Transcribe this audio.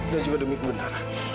dan juga demi kebenaran